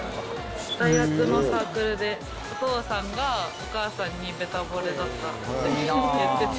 大学のサークルでお父さんがお母さんにべたぼれだったって言ってて。